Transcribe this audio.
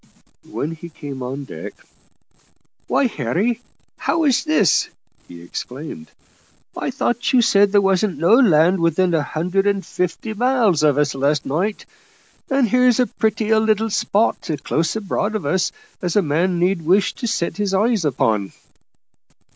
When he came on deck "Why, Harry, how's this?" he exclaimed. "I thought you said there wasn't no land within a hundred and fifty mile of us last night, and here's as pretty a little spot, close aboard of us, as a man need wish to set his eyes upon."